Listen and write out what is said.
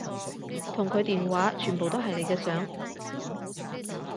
同佢電話全部都係你嘅相